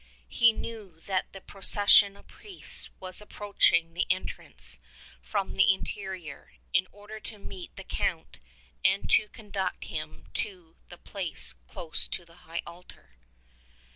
He knew that the pro cession of priests was approaching the entrance from the interior, in order to meet the Count and to conduct him to his place close to the high altar.